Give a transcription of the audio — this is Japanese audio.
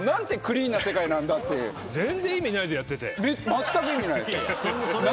まったく意味ないですよ。